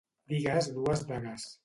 Digues dues dagues